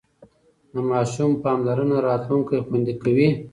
د ماشوم پاملرنه راتلونکی خوندي کوي.